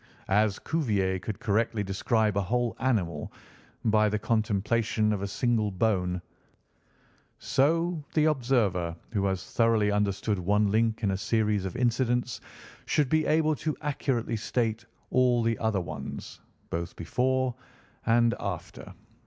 As Cuvier could correctly describe a whole animal by the contemplation of a single bone, so the observer who has thoroughly understood one link in a series of incidents should be able to accurately state all the other ones, both before and after.